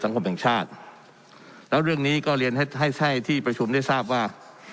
คมแห่งชาติแล้วเรื่องนี้ก็เรียนให้ให้ที่ประชุมได้ทราบว่า